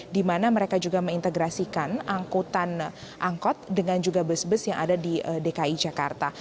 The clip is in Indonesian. di mana mereka juga mengintegrasikan angkutan angkot dengan juga bus bus yang ada di dki jakarta